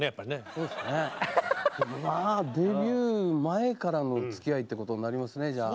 そうですねまあデビュー前からのつきあいってことになりますねじゃあ。